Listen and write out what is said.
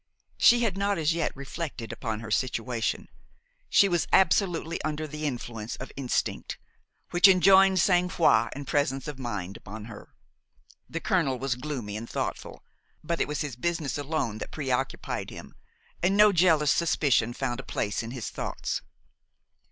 She had not as yet reflected upon her situation; she was absolutely under the influence of instinct, which enjoined sang froid and presence of mind upon her. The colonel was gloomy and thoughtful, but it was his business alone that preoccupied him, and no jealous suspicion found a place in his thoughts.